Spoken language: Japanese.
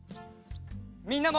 みんなも。